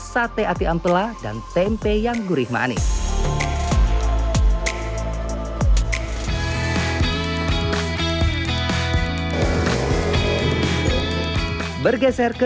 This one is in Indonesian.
sate ati ampela dan tempe yang gurih manis